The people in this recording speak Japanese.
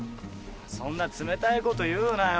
そんな冷たいこと言うなよ。